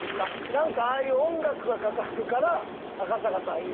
何かああいう音楽がかかるから赤坂さん。